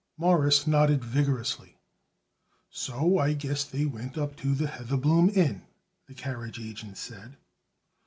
Morris nodded vigorously. "So I guess they went up to the Heatherbloom Inn," the carriage agent said.